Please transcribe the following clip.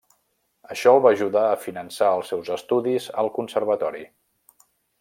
Això el va ajudar a finançar els seus estudis al Conservatori.